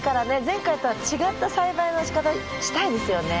前回とは違った栽培のしかたしたいですよね。